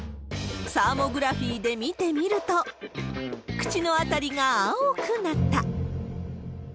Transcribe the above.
サーモグラフィーで見てみると、口の辺りが青くなった。